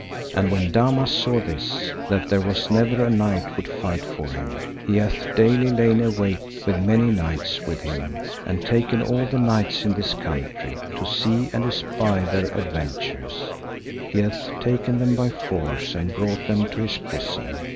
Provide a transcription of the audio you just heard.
And when Damas saw this, that there was never a knight would fight for him, he hath daily lain await with many knights with him, and taken all the knights in this country to see and espy their adventures, he hath taken them by force and brought them to his prison.